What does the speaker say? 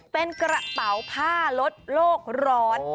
เป็นกระเป๋าผ้าลดโลกร้อน